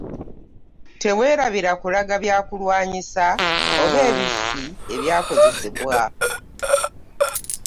Tewerabira kulaga byakulwanyisa oba ebissi ebyakozesebwa.